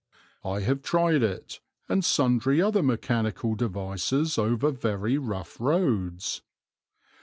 I have tried it, and sundry other mechanical devices over very rough roads.